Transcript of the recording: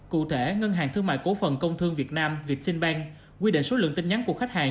cụ thể ngân hàng thương mại cổ phần công thương việt nam vietcombank quy định số lượng tin nhắn của khách hàng